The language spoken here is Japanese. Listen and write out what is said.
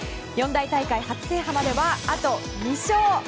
四大大会初制覇まではあと２勝。